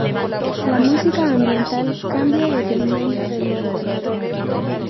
La música ambiental cambia dependiendo del ordenador.